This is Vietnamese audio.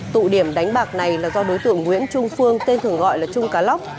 tụ điểm đánh bạc này là do đối tượng nguyễn trung phương tên thường gọi là trung cá lóc